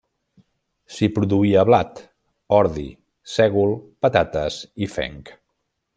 S'hi produïa blat, ordi, sègol, patates i fenc.